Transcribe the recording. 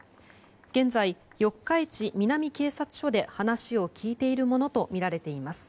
現在、四日市南警察署で話を聞いているものとみられています。